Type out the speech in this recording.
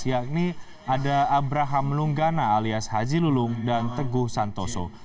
yakni ada abraham lunggana alias haji lulung dan teguh santoso